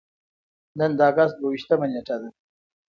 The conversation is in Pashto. نن د اګست دوه ویشتمه نېټه ده.